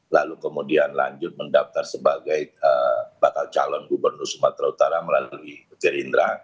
lalu kemudian lanjut mendaftar sebagai bakal calon gubernur sumatera utara melalui gerindra